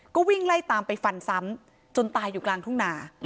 ก็วิ่งไล่ตามไปฟันซ้ำจนตายอยู่กลางทุ่งนา